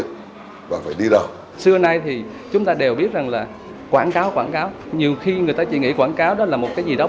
xưa nay thì chúng ta đều biết rằng là quảng cáo quảng cáo nhiều khi người ta chỉ nghĩ quảng cáo đó là một cái gì đó